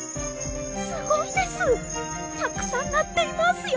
すごいですたくさんなっていますよ！